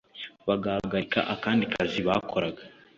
bahagarika akandi kazi bakoraga